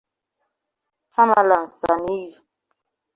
Tamerlan Tsarnaev